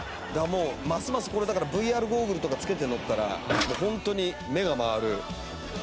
ますますこれだからＶＲゴーグルとか着けて乗ったらホントに目が回る。